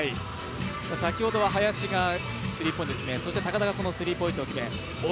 先ほどは林がスリーポイント決めそして高田がこのスリーポイントを決め